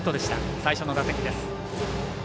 最初の打席です。